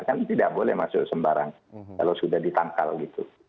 kan tidak boleh masuk sembarang kalau sudah ditangkal gitu